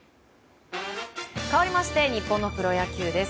かわりまして日本のプロ野球です。